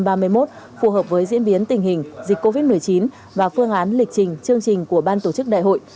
phù hợp với diễn biến tình hình dịch covid một mươi chín và phương án lịch trình chương trình của ban tổ chức đại hội